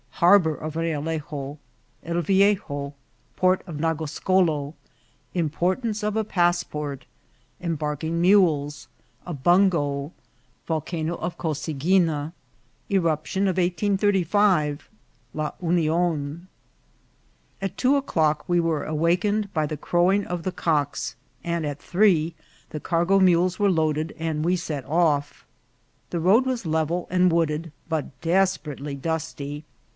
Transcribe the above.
— Harbour of Realejo. — El Viejo. — Port of Nagoscolo. — Im portance of a Passport. — Embarking Mules. — A Bungo. — Volcano of Cosagui na. — Eruption of 1835. — La Union. AT two o'clock we were awakened by the crowing of the cocks, and at three the cargo mules were loaded and we set off. The road was level and wooded, but desperately dusty.